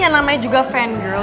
ya namanya juga fangirl